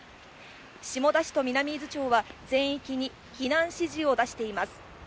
下田市と南伊豆町は、全域に避難指示を出しています。